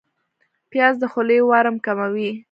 پیاز د خولې ورم کموي